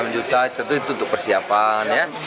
tiga enam juta itu untuk persiapan ya